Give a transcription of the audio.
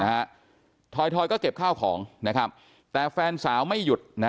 นะฮะทอยทอยก็เก็บข้าวของนะครับแต่แฟนสาวไม่หยุดนะ